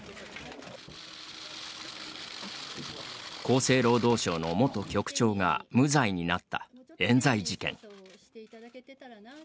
厚生労働省の元局長が無罪になった、えん罪事件。